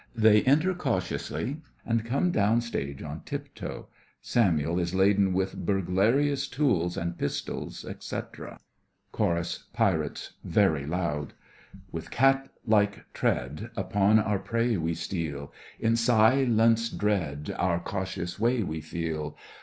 They enter cautiously, and come down stage on tiptoe. SAMUEL is laden with burglarious tools and pistols, etc.) CHORUS—PIRATES (very loud) With cat like tread, Upon our prey we steal; In silence dread, Our cautious way we feel.